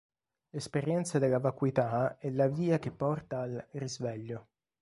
L'esperienza della vacuità è la via che porta al "Risveglio".